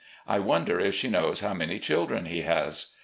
I wonder if she knows how many children he has.